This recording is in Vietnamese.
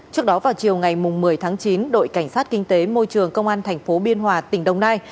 trước đó vào chiều ngày một mươi tháng chín đội cảnh sát kinh tế môi trường công an thành phố biên hòa tỉnh đồng nai